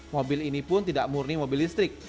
mobil ini pun tidak murni mobil listrik